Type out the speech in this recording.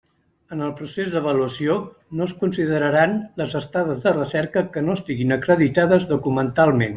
En el procés d'avaluació no es consideraran les estades de recerca que no estiguin acreditades documentalment.